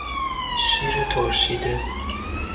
شیر ترشیده